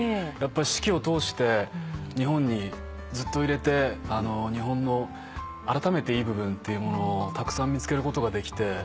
やっぱ四季を通して日本にずっといれて日本のあらためていい部分っていうものをたくさん見つけることができて。